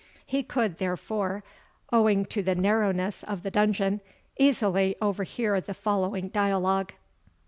He could, therefore, owing to the narrowness of the dungeon, easily overhear the following dialogue.